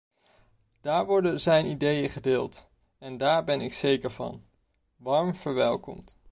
Daar worden zijn ideeën gedeeld en, daar ben ik zeker van, warm verwelkomd.